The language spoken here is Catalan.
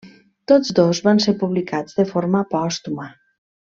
Tots dos van ser publicats de forma pòstuma.